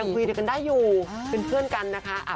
คุยกันได้อยู่เป็นเพื่อนกันนะคะ